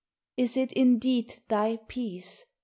Is it indeed thy peace?